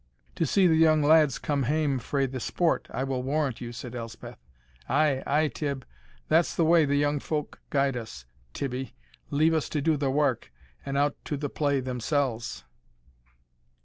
"To see the young lads come hame frae the sport, I will warrant you," said Elspeth. "Ay, ay, Tibb, that's the way the young folk guide us, Tibbie leave us to do the wark, and out to the play themsells."